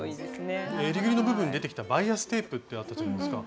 えりぐりの部分に出てきたバイアステープってあったじゃないですか。